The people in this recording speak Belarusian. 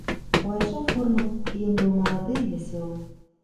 Увайшоў фурман, і ён быў малады і вясёлы.